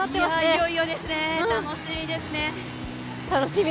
いよいよですね、楽しみですね。